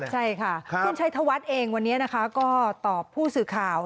ใช่ค่ะคุณชัยธวัฒน์เองวันนี้นะคะก็ตอบผู้สื่อข่าว